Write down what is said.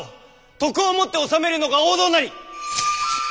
徳をもって治めるのが王道なり！